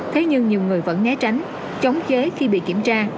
thế nhưng nhiều người vẫn né tránh chống chế khi bị kiểm tra